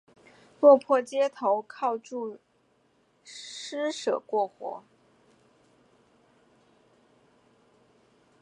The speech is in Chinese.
落魄街头靠著施舍过活